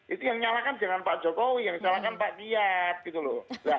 itu yang nyalakan jangan pak jokowi yang nyalakan pak giat gitu loh